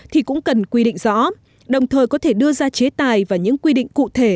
thì cũng cần quy định rõ đồng thời có thể đưa ra chế tài và những quy định cụ thể